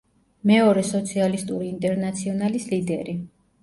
მეორე სოციალისტური ინტერნაციონალის ლიდერი.